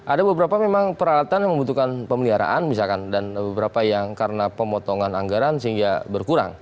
ada beberapa memang peralatan yang membutuhkan pemeliharaan misalkan dan beberapa yang karena pemotongan anggaran sehingga berkurang